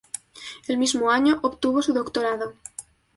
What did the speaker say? El mismo año obtuvo su doctorado.